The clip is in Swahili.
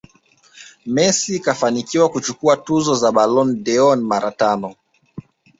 Messi kafanikiwa kuchukua tuzo za Ballon dâOr mara tano